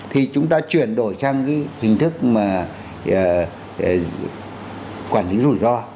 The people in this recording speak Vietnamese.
thì chúng ta chuyển đổi sang cái hình thức mà quản lý rủi ro